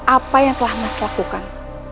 apa yang telah mas lakukan